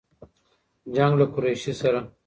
جـنــګ له قــــريــشي ســــره